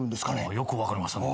よく分かりましたね。